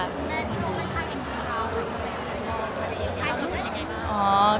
แล้วคุณไปสนิทของพี่น้องก็เป็นของพี่น้อง